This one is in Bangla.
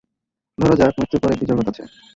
ধরা যাক মৃত্যুর পরে একটি জগৎ আছে।